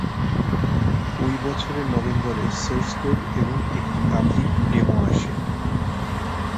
অই বছরের নভেম্বরে সোর্স কোড এবং একটি পাবলিক ডেমো আসে।